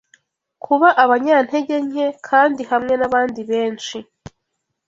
kuba abanyantegenke, kandi hamwe n’abandi benshi,